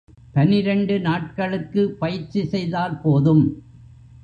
பனிரண்டு நாட்களுக்கு பயிற்சி செய்தால் போதும்.